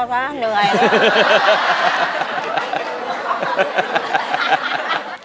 เหนื่อยน่ะ